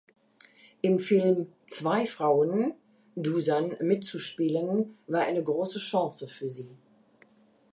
Im Film "Zwei Frauen" ("Do Zan") mitzuspielen war eine große Chance für sie.